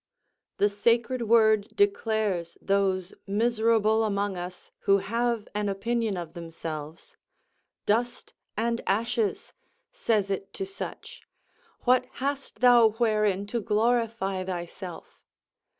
The sacred word declares those miserable among us who have an opinion of themselves: "Dust and ashes," says it to such, "what hast thou wherein to glorify thyself?"